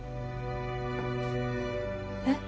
えっ？